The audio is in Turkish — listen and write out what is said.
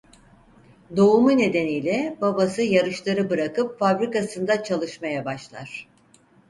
Doğumu nedeniyle babası yarışları bırakıp fabrikasında çalışmaya başlar.